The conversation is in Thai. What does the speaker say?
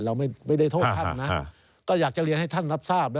เราไม่ได้โทษท่านนะก็อยากจะเรียนให้ท่านรับทราบนะ